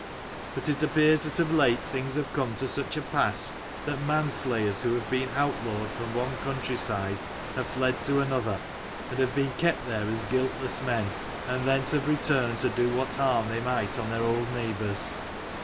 But it appears that of late things have come to such a pass, that manslayers who have been outlawed from one country side have fled to another, and have been kept there as guiltless men, and thence have returned to do what harm they might on their old neighbours.